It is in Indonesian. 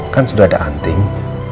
kan sudah ada anting